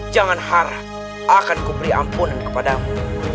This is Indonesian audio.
jangan harap akan kuperi ampunan kepadamu